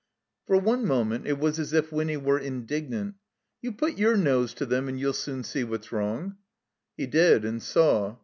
For one moment it was as if Winny were indignant. "You put your nose to them and you'll soon see what's wrong." He did and saw.